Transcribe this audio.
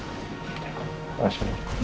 terima kasih bu